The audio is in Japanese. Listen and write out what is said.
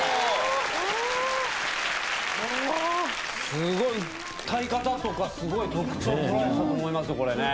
すごい、歌い方とか、すごい特徴捉えてたと思いますよ、これね。